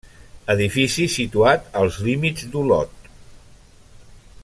Edifici situat als límits d'Olot.